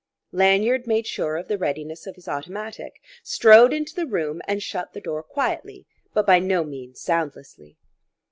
Lanyard made sure of the readiness of his automatic, strode into the room, and shut the door quietly but by no means soundlessly.